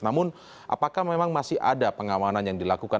namun apakah memang masih ada pengamanan yang dilakukan